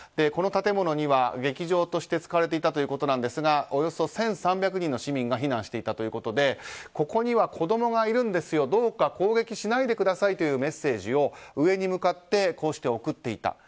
この建物は劇場として使われていたということですがおよそ１３００人の市民が避難していたということでここには子供がいるんですよどうか攻撃しないでくださいというメッセージを上に向かって送っていた。